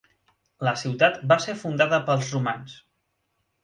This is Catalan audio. La ciutat va ser fundada pels romans.